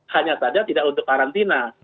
hanya saja tidak untuk karantina